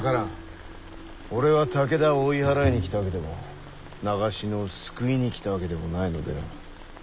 俺は武田を追い払いに来たわけでも長篠を救いに来たわけでもないのでな。